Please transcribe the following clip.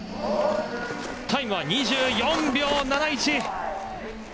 タイムは２４秒７１。